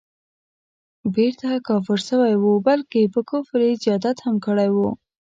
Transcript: بیرته کافر سوی وو بلکه پر کفر یې زیادت هم کړی وو.